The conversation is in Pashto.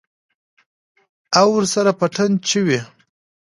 او ورسره پټن چوي.